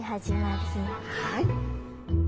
はい。